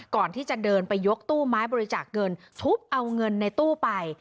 ก่อนที่จะเดินไปยกตู้ไม้บริจาคเงินทุบเอาเงินในตู้ไป